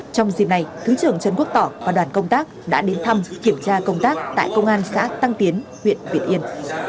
trong dịp này thứ trưởng trần quốc tỏ và đoàn công tác đã đến thăm kiểm tra công tác tại công an xã tăng tiến huyện việt yên